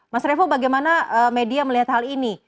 mas revo bagaimana media melihat hal ini